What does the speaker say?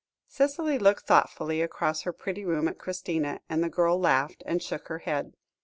Cicely looked thoughtfully across her pretty room at Christina, and the girl laughed, and shook her head.